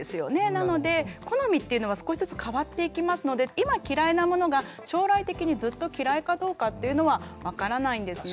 なので好みっていうのは少しずつ変わっていきますので今嫌いなものが将来的にずっと嫌いかどうかっていうのは分からないんですね。